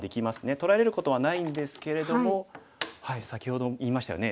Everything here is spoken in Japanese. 取られることはないんですけれども先ほど言いましたよね。